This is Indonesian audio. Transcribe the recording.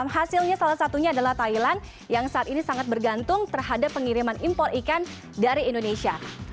hasilnya salah satunya adalah thailand yang saat ini sangat bergantung terhadap pengiriman impor ikan dari indonesia